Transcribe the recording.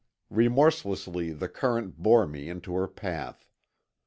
Remorselessly the current bore me into her path.